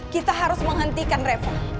kita harus menghentikan reform